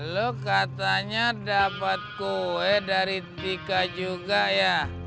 lo katanya dapat kue dari tika juga ya